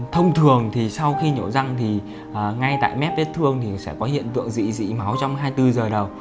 thông thường thì sau khi nhổ răng thì ngay tại mép vết thương thì sẽ có hiện tượng dị máu trong hai mươi bốn giờ đầu